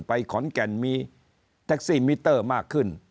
ขอนแก่นมีแท็กซี่มิเตอร์มากขึ้น